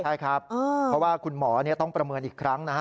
ใช่ครับเพราะว่าคุณหมอต้องประเมินอีกครั้งนะฮะ